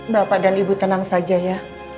bapak dan ibu tenang saja ya